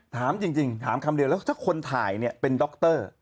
ถามจริงถามคำเดียวแล้วถ้าคนถ่ายเนี่ยเป็นดร